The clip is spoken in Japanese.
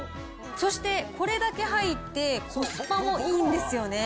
そして、これだけ入って、コスパもいいんですよね。